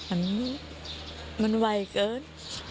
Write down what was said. อันนี้มันหวายเกิน